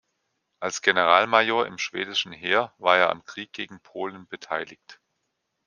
Als Generalmajor im schwedischen Heer war er am Krieg gegen Polen beteiligt.